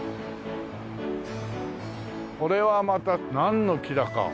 これはまたなんの木だか。